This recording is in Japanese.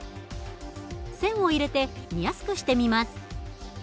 線を入れて見やすくしてみます。